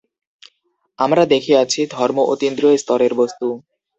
আমরা দেখিয়াছি, ধর্ম অতীন্দ্রিয় স্তরের বস্তু।